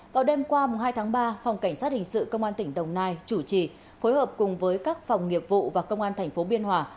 vào đêm qua hai tháng ba phòng cảnh sát hình sự công an tỉnh đồng nai chủ trì phối hợp cùng với các phòng nghiệp vụ và công an tp biên hòa